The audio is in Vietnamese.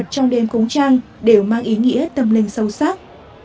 trong đêm cống trăng đều mang ý nghĩa tâm linh sâu sắc